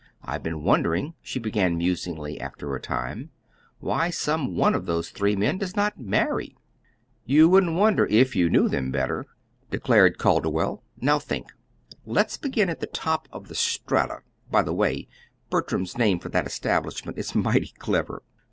"I've been wondering," she began musingly, after a time, "why some one of those three men does not marry." "You wouldn't wonder if you knew them better," declared Calderwell. "Now think. Let's begin at the top of the Strata by the way, Bertram's name for that establishment is mighty clever!